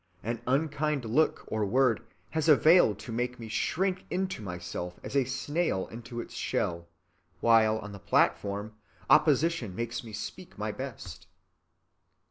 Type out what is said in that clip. An unkind look or word has availed to make me shrink into myself as a snail into its shell, while, on the platform, opposition makes me speak my best."